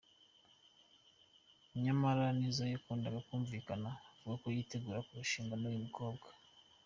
Nyamara Nizzo yakundaga kumvikana avuga ko yitegura kurushinga n’uyu mukobwa.